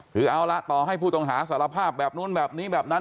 คือเอาละต่อให้ผู้ต้องหาสารภาพแบบนู้นแบบนี้แบบนั้น